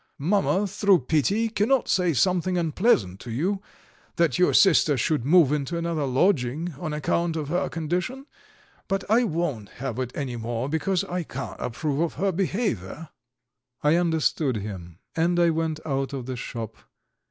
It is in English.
Mamma, through pity, cannot say something unpleasant to you, that your sister should move into another lodging on account of her condition, but I won't have it any more, because I can't approve of her behaviour." I understood him, and I went out of the shop.